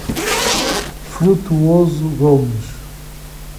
Frutuoso Gomes